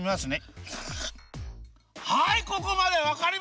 はい！